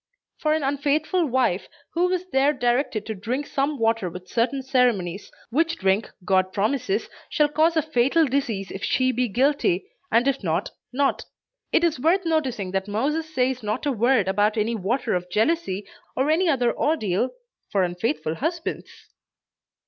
for an unfaithful wife, who is there directed to drink some water with certain ceremonies, which drink God promises shall cause a fatal disease if she be guilty, and if not, not. It is worth noticing that Moses says not a word about any "water of jealousy," or any other ordeal, for unfaithful husbands!